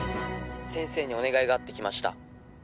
「先生にお願いがあって来ました」